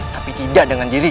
tapi tidak dengan diri